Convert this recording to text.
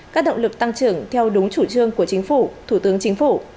các động lực tăng trưởng theo đúng chủ trương của chính phủ thủ tướng chính phủ